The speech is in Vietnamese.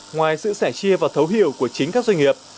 ngoài sự sẻ chia và thấu hiểu của chính các doanh nghiệp